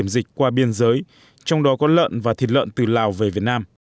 dưới trong đó có lợn và thịt lợn từ lào về việt nam